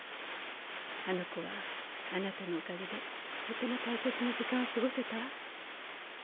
あの子はあなたのおかげでとても大切な時間を過ごせたわ。